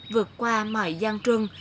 vượt qua mọi gian trường